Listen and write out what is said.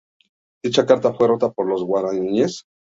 Dicha carta fue rota por los guaraníes.